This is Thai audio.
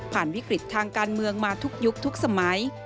วิกฤตทางการเมืองมาทุกยุคทุกสมัย